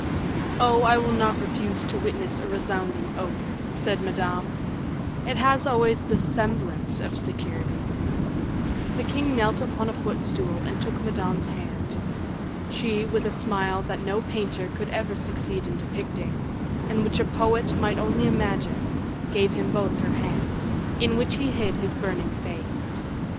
"Oh, I will not refuse to witness a resounding oath," said Madame; "it has always the semblance of security." The king knelt upon a footstool and took Madame's hand. She, with a smile that no painter could ever succeed in depicting, and which a poet might only imagine, gave him both her hands, in which he hid his burning face.